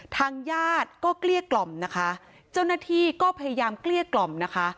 ทางญาติก็เกลี้ยกล่อมนะคะเจ้าหน้าที่ก็พยายามเกลี้ยกล่อมนะคะ